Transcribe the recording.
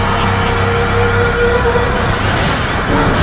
jangan ganggu dia